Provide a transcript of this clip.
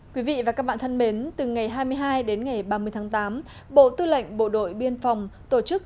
quý vị và các bạn thân mến từ ngày hai mươi hai đến ngày ba mươi tháng tám bộ tư lệnh bộ đội biên phòng tổ chức